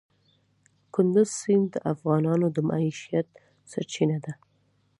کندز سیند د افغانانو د معیشت سرچینه ده.